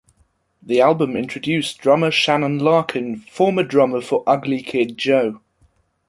The album introduced drummer Shannon Larkin, former drummer for Ugly Kid Joe.